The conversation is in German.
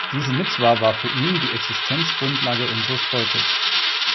Diese Mitzwa war für ihn „die Existenzgrundlage unseres Volkes“.